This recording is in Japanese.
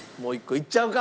いっちゃうか！